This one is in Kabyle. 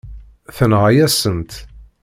Tenɣa-yasen-tt.